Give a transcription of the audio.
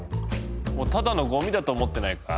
もうただのゴミだと思ってないか？